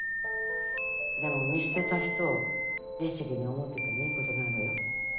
でも見捨てた人を律儀に思っててもいいことないわよ。